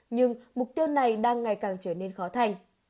nhưng mục tiêu này đang ngày càng trở nên khó thành